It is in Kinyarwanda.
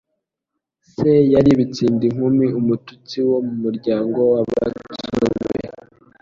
Se yari Bitsindinkumi, umututsi wo mu muryango wa Batsobe